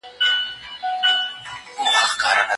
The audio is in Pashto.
د ټولني د اصلاح لپاره بايد څه وکړو؟